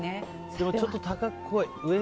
でも、ちょっと高く来い！